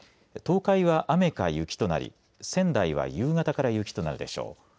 東海は雨か雪となり仙台は夕方から雪となるでしょう。